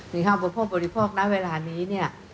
สินค้าประโยชน์ปภพบริภาพนั้นเวลานี้